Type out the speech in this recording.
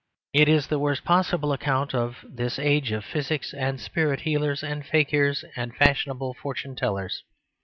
It is the worst possible account of this age of psychics and spirit healers and fakirs and fashionable fortune tellers.